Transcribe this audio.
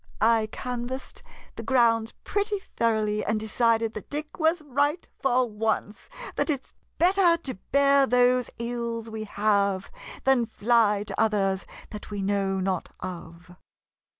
I canvassed the 47 MODERN MONOLOGUES ground pretty thoroughly, and decided that Dick was right for once — that it 's better to bear those ills we have Than fly to others that we know not of.